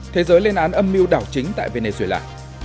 thế giới lên án âm mưu đảo chính tại venezuela